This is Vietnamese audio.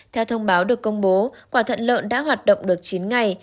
theo thông báo được công bố quả thận lợn đã hoạt động được chín ngày